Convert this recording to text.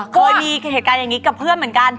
เคยมีเหตุการณ์อย่างนี้กับเพื่อนเหมือนกัน